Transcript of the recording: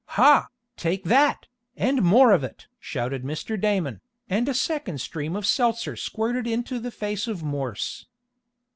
"Ha! Take that! And more of it!" shouted Mr. Damon, and a second stream of seltzer squirted into the face of Morse.